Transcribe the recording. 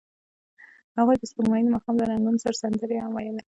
هغوی د سپوږمیز ماښام له رنګونو سره سندرې هم ویلې.